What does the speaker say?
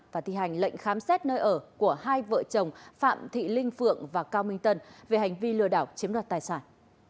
và thi hành lệnh khám xét nơi ở của hai vợ chồng phạm thị linh phượng và cao minh tân về hành vi lừa đảo chiếm đoạt tài sản